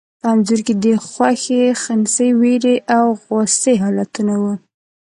په انځور کې د خوښي، خنثی، وېرې او غوسې حالتونه وو.